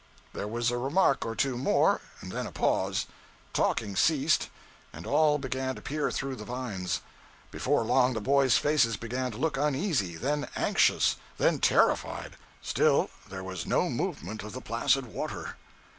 There was a remark or two more, and then a pause. Talking ceased, and all began to peer through the vines. Before long, the boys' faces began to look uneasy, then anxious, then terrified. Still there was no movement of the placid water.